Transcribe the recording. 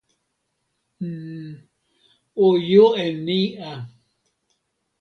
n. o jo e ni a.